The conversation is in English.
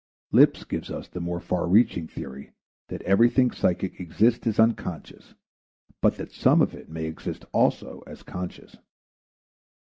Lipps gives us the more far reaching theory that everything psychic exists as unconscious, but that some of it may exist also as conscious.